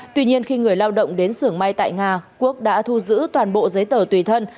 tuy nhiên khi người lao động đến xưởng may tại nga quốc đã thu giữ toàn bộ giấy tờ tùy thân